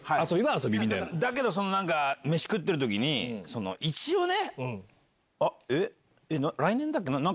だけど飯食ってる時に一応ね。